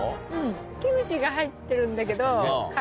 キムチが入ってるんだけど。